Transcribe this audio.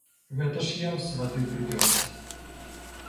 Гэта ж я ў сваты прыпёрся.